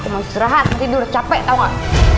mau istirahat tidur capek tau gak